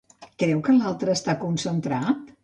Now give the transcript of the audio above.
Creu que l'altre està concentrat?